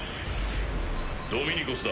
ドミニコスだ。